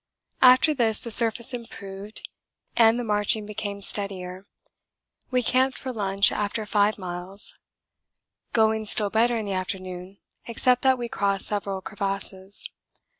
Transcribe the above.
After this the surface improved and the marching became steadier. We camped for lunch after 5 miles. Going still better in the afternoon, except that we crossed several crevasses.